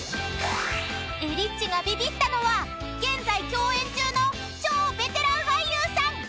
［えりっちがビビったのは現在共演中の超ベテラン俳優さん］